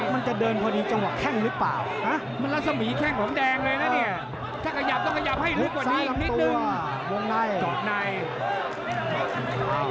มันจะเดินพอดีจังหวังแข่งนึกเหรอเปล่า